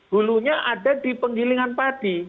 hulunya ada di penggilingan padi